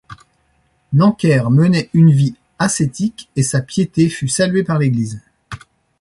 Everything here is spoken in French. Nanker menait une vie ascétique et sa piété fut saluée par l’Église.